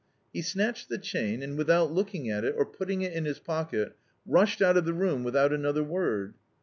He snatched the chain and, without look ing at it, or putting it in his pocket, rushed out of the room without another word.